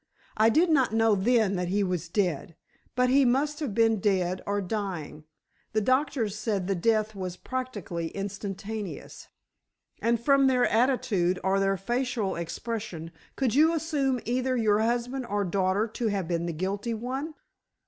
I did not know then that he was dead, but he must have been dead or dying. The doctors said the death was practically instantaneous." "And from their attitude or their facial expression could you assume either your husband or daughter to have been the guilty one?"